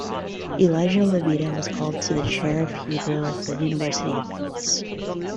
Elijah Levita was called to the chair of Hebrew at the University of Paris.